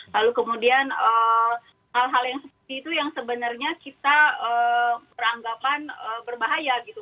lalu kemudian hal hal yang seperti itu yang sebenarnya kita beranggapan berbahaya gitu